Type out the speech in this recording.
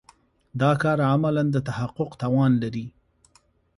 دا کار عملاً د تحقق توان لري.